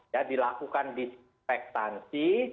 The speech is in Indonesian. ya dilakukan dispektasi